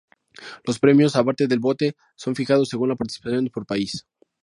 Los premios, aparte del bote, son fijados según la participación por país.